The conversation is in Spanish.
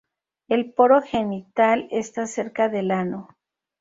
El poro genital está cerca del ano.